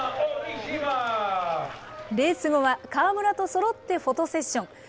レース後は川村とそろってフォトセッション。